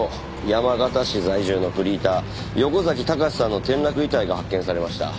山形市在住のフリーター横崎孝志さんの転落遺体が発見されました。